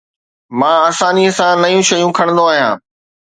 مان آساني سان نيون شيون کڻندو آهيان